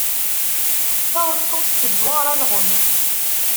Taweṭṭuft tezzuɣer alɣem.